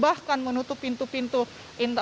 bahkan memperlakukan karantina empat belas hari